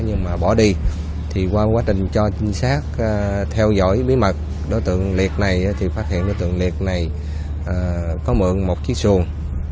nhưng mà bỏ đi thì qua quá trình cho trinh sát theo dõi bí mật đối tượng liệt này thì phát hiện đối tượng liệt này có mượn một chiếc xuồng